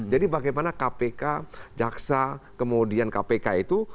jadi bagaimana kpk jaksa kemudian kpk itu